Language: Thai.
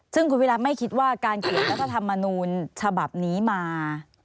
ซึ่งคุณวิรัติไม่คิดว่าการเขียนรัฐธรรมนูญฉบับนี้มา